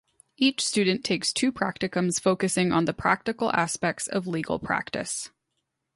Each student takes two practicums focusing on the practical aspects of legal practice.